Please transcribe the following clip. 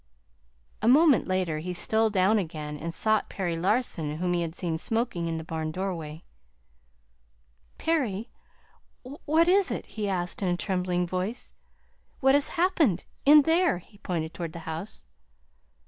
A moment later he stole down again and sought Perry Larson whom he had seen smoking in the barn doorway. "Perry, what is it?" he asked in a trembling voice. "What has happened in there?" He pointed toward the house.